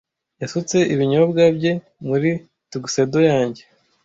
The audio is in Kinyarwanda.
Yasutse ibinyobwa bye muri tuxedo yanjye.